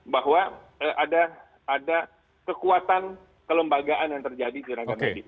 bahwa ada kekuatan kelembagaan yang terjadi di tenaga medis